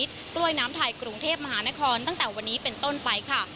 กล้วยน้ำไทยกรุงเทพมหานครตั้งแต่วันนี้เป็นต้นไปค่ะ